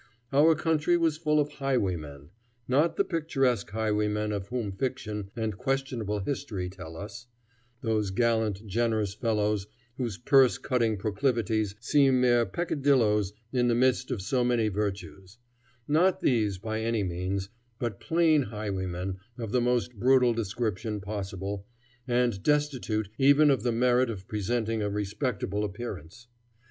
Our country was full of highwaymen not the picturesque highwaymen of whom fiction and questionable history tell us, those gallant, generous fellows whose purse cutting proclivities seem mere peccadilloes in the midst of so many virtues; not these, by any means, but plain highwaymen of the most brutal description possible, and destitute even of the merit of presenting a respectable appearance.